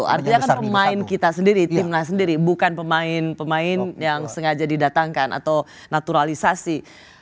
artinya kan pemain kita sendiri timnas sendiri bukan pemain pemain yang sengaja didatangkan atau naturalisasi